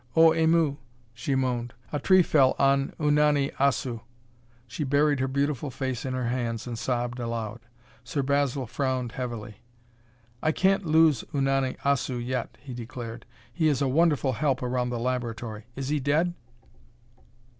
"Oh, Aimu!" she moaned. "A tree fell on Unani Assu." She buried her beautiful face in her hands and sobbed aloud. Sir Basil frowned heavily. "I can't lose Unani Assu yet," he declared. "He is a wonderful help around the laboratory. Is he dead?"